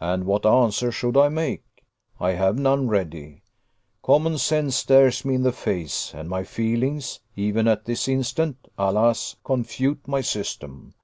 And what answer should I make? I have none ready. Common sense stares me in the face, and my feelings, even at this instant, alas! confute my system.